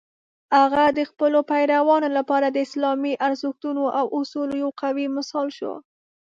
هغه د خپلو پیروانو لپاره د اسلامي ارزښتونو او اصولو یو قوي مشال شو.